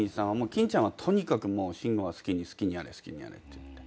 欽ちゃんはとにかくもう慎吾は好きにやれ好きにやれって言って。